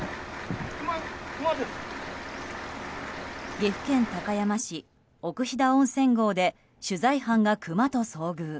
岐阜県高山市奥飛騨温泉郷で取材班がクマと遭遇。